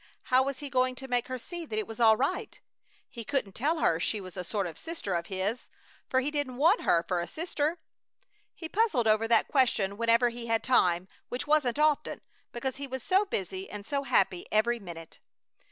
How was he going to make her see that it was all right? He couldn't tell her she was a sort of a sister of his, for he didn't want her for a sister. He puzzled over that question whenever he had time, which wasn't often, because he was so busy and so happy every minute.